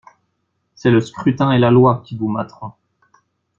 C'est le scrutin et la loi qui vous materont.